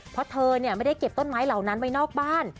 เพราะเธอไม่ได้เก็บต้นไม้เหล่านั้นไว้นอกบ้าน